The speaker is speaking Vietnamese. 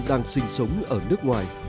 đang sinh sống ở nước ngoài